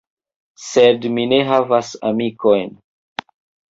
Sed mi ne havas amikojn.